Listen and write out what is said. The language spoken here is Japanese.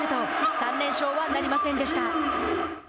３連勝はなりませんでした。